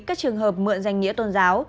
các trường hợp mượn danh nghĩa tôn giáo